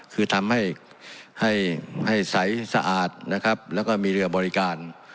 คือทำให้ให้ใสสะอาดนะครับแล้วก็มีเรือบริการ